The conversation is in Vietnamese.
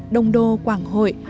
đồng đô quảng hội